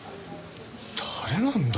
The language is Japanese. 誰なんだ？